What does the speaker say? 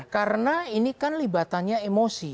karena ini kan libatannya emosi